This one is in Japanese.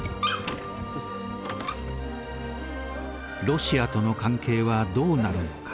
ロシアとの関係はどうなるのか。